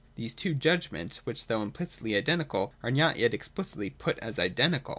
There are two judgments, which though impHcitly iden tical are not yet explicitly put as identical. 224.